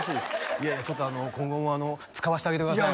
いやいやちょっと今後も使わしてあげてください